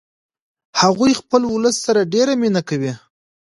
هغوی خپل ولس سره ډیره مینه کوي